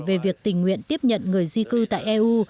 về việc tình nguyện tiếp nhận người di cư tại eu